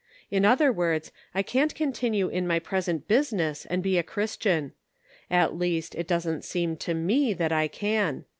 In other words, I can't continue in my present business and be a Christian. At least it doesn't seem to me that I can.